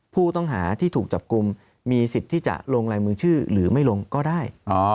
ผู้ต้องหาที่ถูกจับกลุ่มมีสิทธิ์ที่จะลงลายมือชื่อหรือไม่ลงก็ได้